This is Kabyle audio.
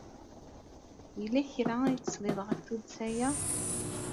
Yella kra i tesliḍ ɣef tuddsa-ya?